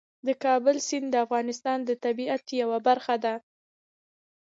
د کابل سیند د افغانستان د طبیعت یوه برخه ده.